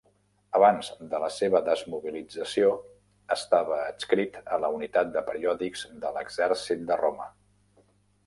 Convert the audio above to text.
Abans de la seva desmobilització estava adscrit a la Unitat de Periòdics de l'Exèrcit a Roma.